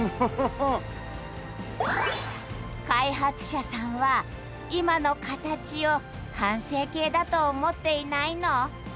開発者さんは今のカタチを完成形だと思っていないの。